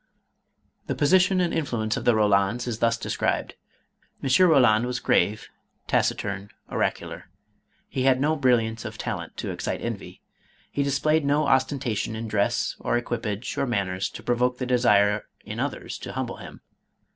The position and influence of the Eolands is thus described. "M. Koland was grave, taciturn, oracular. He had no brilliance of talent to excite envy. He dis played no ostentation in dress, or equipage, or manners, to provoke the desire in others to humble him.